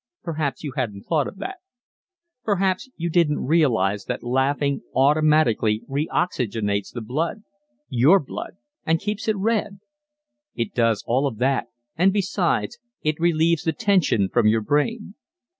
Perhaps you hadn't thought of that? Perhaps you didn't realize that laughing automatically re oxygenates the blood your blood and keeps it red? It does all of that, and besides, it relieves the tension from your brain.